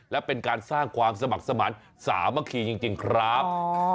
และเป็นการสร้างความสมัครสมาธิสามัคคีจริงครับ